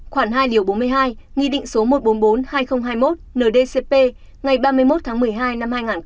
khoản hai liều bốn mươi hai nghị định số một trăm bốn mươi bốn hai nghìn hai mươi một ndcp ngày ba mươi một tháng một mươi hai năm hai nghìn một mươi năm